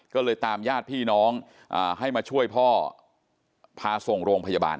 ก็เลยตามญาติพี่น้องให้มาช่วยพ่อพาส่งโรงพยาบาล